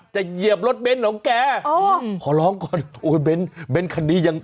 เหยียบรถเบ้นของแกอ๋อขอร้องก่อนโอ้ยเบ้นเบ้นคันนี้ยัง